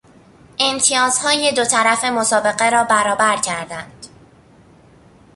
امتیازهای دو طرف مسابقه را برابر کردن